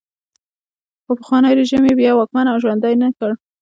خو پخوانی رژیم یې بیا واکمن او ژوندی نه کړ.